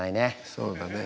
そうだね。